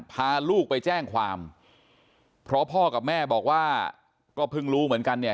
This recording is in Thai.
พาลูกไปแจ้งความเพราะพ่อกับแม่บอกว่าก็เพิ่งรู้เหมือนกันเนี่ย